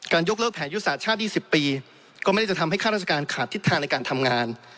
ยกเลิกแผนยุทธศาสตร์ชาติ๒๐ปีก็ไม่ได้จะทำให้ข้าราชการขาดทิศทางในการทำงาน